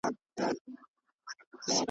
د سړیو غلبلې سي انګولا سي د لېوانو .